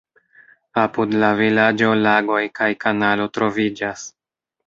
Apud la vilaĝo lagoj kaj kanalo troviĝas.